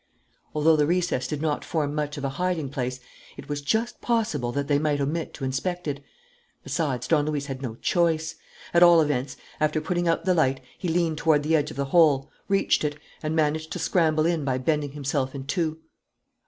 Although the recess did not form much of a hiding place, it was just possible that they might omit to inspect it. Besides, Don Luis had no choice. At all events, after putting out the light, he leaned toward the edge of the hole, reached it, and managed to scramble in by bending himself in two.